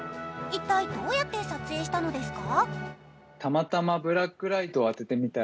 一体どうやって撮影したのですか？